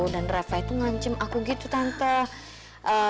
dan reva itu ngancem aku gitu tante